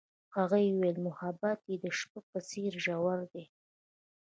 هغې وویل محبت یې د شپه په څېر ژور دی.